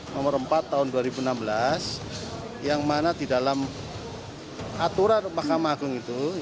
nomor empat tahun dua ribu enam belas yang mana di dalam aturan mahkamah agung itu